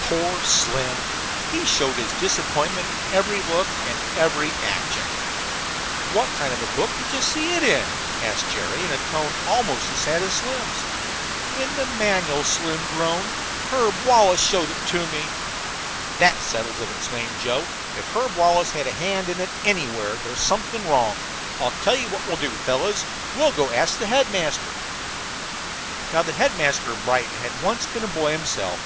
Poor Slim! He showed his disappointment in every look and every action. "What kind of a book did you see it in?" asked Jerry, in a tone almost as sad as Slim's. "In the manual," Slim groaned. "Herb Wallace showed it to me." "That settles it," exclaimed Joe. "If Herb Wallace had a hand in it anywhere there's something wrong. I'll tell you what we'll do, fellows. We'll go and ask the headmaster." Now the headmaster of Brighton had once been a boy himself.